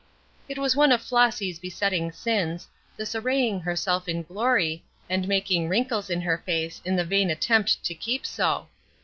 It was one of Flossy's besetting sins, this arraying herself in glory, and making wrinkles in her face in the vain attempt to keep so.